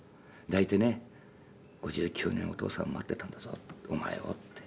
抱いてね“５９年お父さん待ってたんだぞお前を”って」